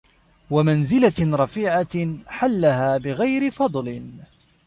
وَمَنْزِلَةٍ رَفِيعَةٍ حَلَّهَا بِغَيْرِ فَضْلٍ